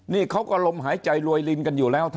นี่เขาก็ลมหายใจรวยลินกันอยู่แล้ว